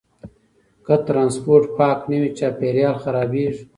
که ټرانسپورټ پاک نه وي، چاپیریال خرابېږي.